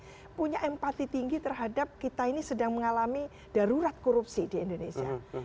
dan dia juga mengatakan bahwa kita seorang padi tinggi terhadap kita ini sedang mengalami darurat korupsi di indonesia